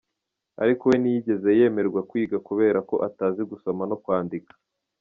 Ariko we ntiyigeze yemererwa kwiga kubera ko atazi gusoma no kwandika.